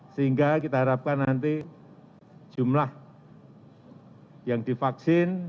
sehingga kita harapkan nanti jumlah yang divaksin